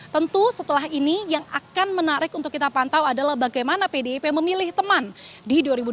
tentu setelah ini yang akan menarik untuk kita pantau adalah bagaimana pdip memilih teman di dua ribu dua puluh